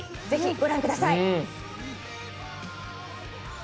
ぜひご覧ください。